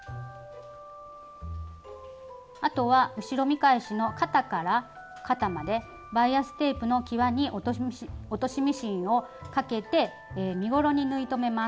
あとは後ろ見返しの肩から肩までバイアステープのきわに落としミシンをかけて身ごろに縫い留めます。